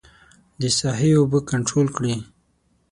د ساحې اوبه کنترول کړي.